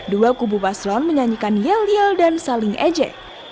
dua kubu paslon menyanyikan yel yel dan saling ejek